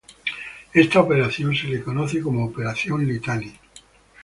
Esta operación se la conoce como Operación Litani.